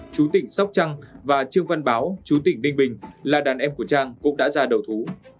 chú tỉnh sóc trăng và trương văn báo chú tỉnh ninh bình là đàn em của trang cũng đã ra đầu thú